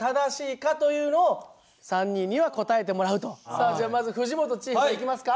さあじゃあまず藤本チーフからいきますか？